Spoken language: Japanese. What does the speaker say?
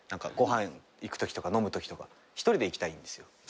ご飯行くときとか飲むときとか１人で行きたいんですよ。